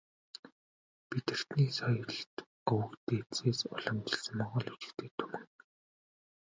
Бидэртний соёлт өвөг дээдсээс уламжилсан монгол бичигтэй түмэн.